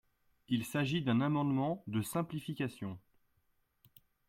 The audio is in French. Il s’agit d’un amendement de simplification.